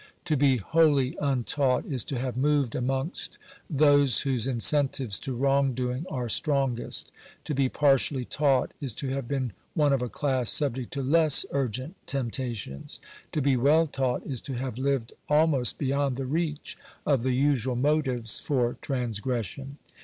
To be wholly untaught is to have moved amongst those whose incentives to wrong doing are strongest ; to be partially taught is to have been one of a class subject to less urgent temptations ; to be well taught is to have lived almost beyond the reach of the usual motives for transgression.